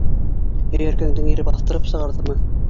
Һөйәркәңдең ире баҫтырып сығарҙымы?